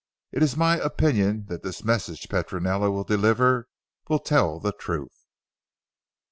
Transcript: It is my opinion that this message Petronella will deliver, will tell the truth."